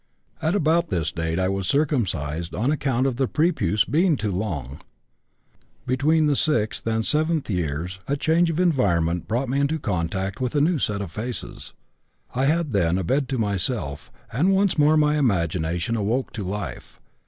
"At about this date I was circumcised on account of the prepuce being too long. "Between the 6th and 7th years a change of environment brought me into contact with a new set of faces. I had then a bed to myself, and once more my imagination awoke to life.